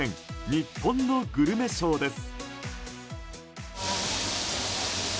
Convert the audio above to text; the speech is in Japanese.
にっぽんのグルメショーです。